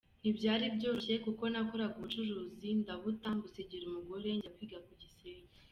Ntibyari byoroshye kuko nakoraga ubucuruzi, ndabuta mbusigira umugore njya kwiga ku Gisenyi.